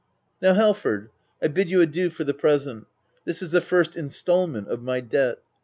Now Halford, I bid you adieu for the present. This is the first instalment of my debt.